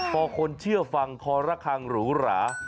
พอคนเชื่อฟังคอระคังหรูหรา